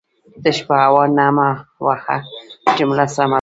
تش په هو او نه مه وهه جمله سمه لوله